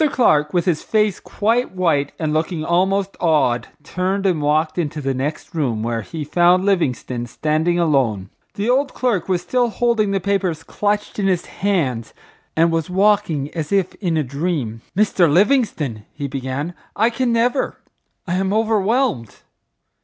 Clark, with his face quite white and looking almost awed, turned and walked into the next room where he found Livingstone standing alone. The old clerk was still holding the papers clutched in his hand and was walking as if in a dream. "Mr. Livingstone," he began, "I can never—I am overwhelmed!